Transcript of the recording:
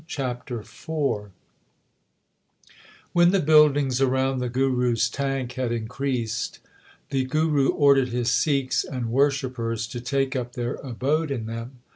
1 CHAPTER IV When the buildings around the Guru s tank had increased, the Guru ordered his Sikhs and worship pers to take up their abode in them.